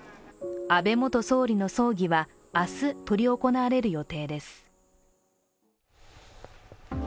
安倍元総理の葬儀は、明日執り行われる予定です。